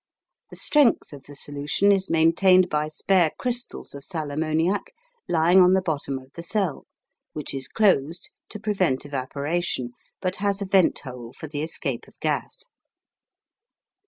The strength of the solution is maintained by spare crystals of sal ammoniac lying on the bottom of the cell, which is closed to prevent evaporation, but has a venthole for the escape of gas.